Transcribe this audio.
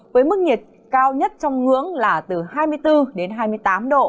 với mức nhiệt cao nhất trong ngưỡng là từ hai mươi bốn đến hai mươi tám độ